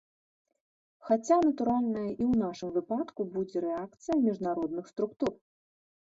Хаця, натуральна, і ў нашым выпадку будзе рэакцыя міжнародных структур.